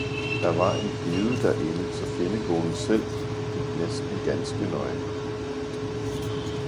Der var en hede derinde, så finnekonen selv gik næsten ganske nøgen.